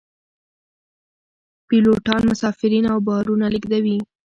پیلوټان مسافرین او بارونه لیږدوي